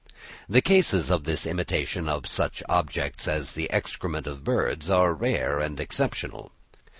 The cases of the imitation of such objects as the excrement of birds, are rare and exceptional.